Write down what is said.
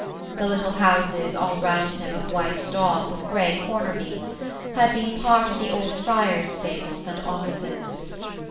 The little houses all round him of white daub with grey corner beams had been part of the old friars' stables and offices.